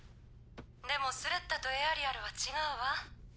でもスレッタとエアリアルは違うわ。